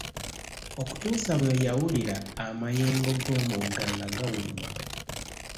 Okutuusa bwe yawulira amayengo g'omugga nga gawuuma.